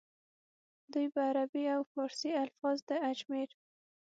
دوي به عربي او فارسي الفاظ د اجمېر